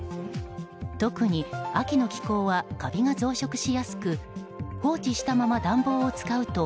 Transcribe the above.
特に、秋の気候はカビが増殖しやすく放置したまま暖房を使うと